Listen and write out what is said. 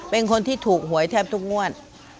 เป็นคนที่ถูกหวยแทบทุกงวด